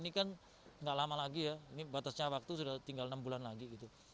ini kan nggak lama lagi ya ini batasnya waktu sudah tinggal enam bulan lagi gitu